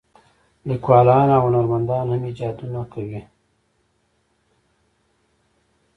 لیکوالان او هنرمندان هم ایجادونه کوي.